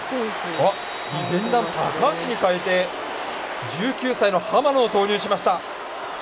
ディフェンダー、高橋に代えて１９歳の浜野を投入しました。